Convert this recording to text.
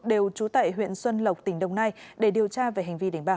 đều chú tệ huyện xuân lộc tỉnh đồng nai để điều tra về hành vi đánh bảo